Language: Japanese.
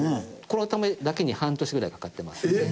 このためだけに半年ぐらいかかってますね。